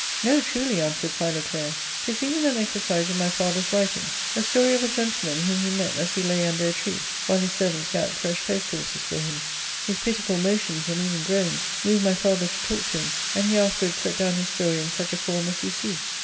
" No, truly , answered Philoclea, " *tis even an exercise of my father's writing, a story of a gentleman whom he met as he lay under a tree while his servants gat fresh post horses for him. His pitiful motions, and even groans, moved my father to talk to him, and he afterwards set down his story in such a form as you see.''